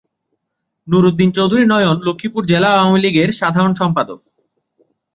নুর উদ্দিন চৌধুরী নয়ন লক্ষ্মীপুর জেলা আওয়ামী লীগের সাধারণ সম্পাদক।